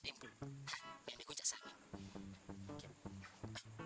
yang meandikun cak samin